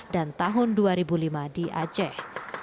dan tahun dua ribu lima di aceh